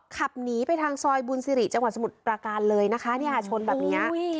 ขับหนีไปทางซอยบูนซิริจังหวัดสมุทรประการเลยนะคะเนี้ยชนแบบเนี้ยอุ้ย